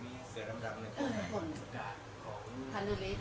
ตีเผานั้นเอาอยู่จ๊อบนาน